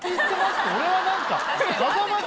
俺は何か。